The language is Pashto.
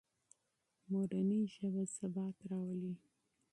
مورنۍ ژبه ثبات راولي.